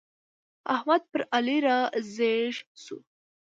احمد پر علي را ږيز شو.